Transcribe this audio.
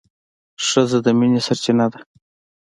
ښځه د مینې سرچینه ده.